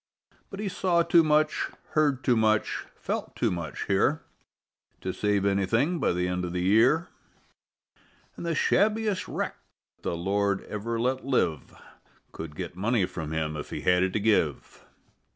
But he saw too much, heard too much, felt too much here To save anything by the end of the year, An' the shabbiest wreck the Lord ever let live Could get money from him if he had it to give.